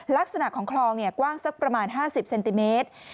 ลักษณะของคลองกว้างสักประมาณ๕๐เซนติเมตร